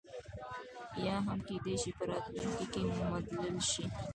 یا هم کېدای شي په راتلونکي کې مدلل شي.